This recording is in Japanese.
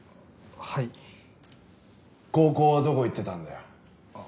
高校はどこ行ってたんだよ？